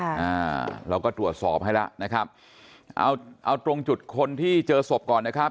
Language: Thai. อ่าเราก็ตรวจสอบให้แล้วนะครับเอาเอาตรงจุดคนที่เจอศพก่อนนะครับ